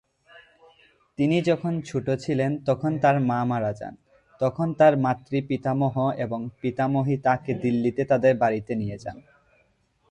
তিনি যখন ছোট ছিলেন তখন তার মা মারা যান, তখন তার মাতৃ-পিতামহ এবং পিতামহী তাকে দিল্লীতে তাদের বাড়িতে নিয়ে যান।